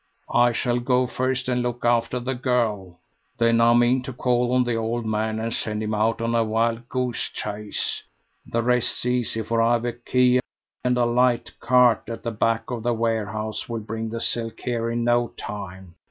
I shall go first, and look after the girl; then I mean to call on the old man, and send him out on a wild goose chase. The rest's easy, for I've a key, and a light cart at the back of the warehouse will bring the silk here in no time.